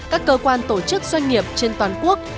các cơ quan tổ chức doanh nghiệp trên toàn quốc